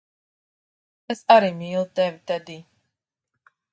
Es arī mīlu tevi, Tedij.